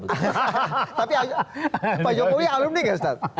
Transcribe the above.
tapi pak jokowi alumni tidak